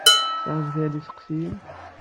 Tesɛam kra n yisteqsiyen?